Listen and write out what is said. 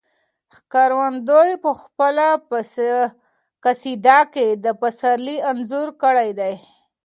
ښکارندوی په خپله قصیده کې د پسرلي انځور کړی دی.